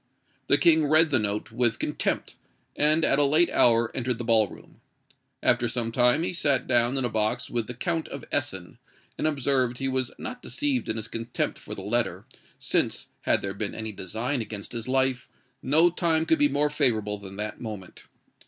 The King read the note with contempt, and at a late hour entered the ball room. After some time he sat down in a box with the Count of Essen, and observed he was not deceived in his contempt for the letter, since, had there been any design against his life, no time could be more favourable than that moment.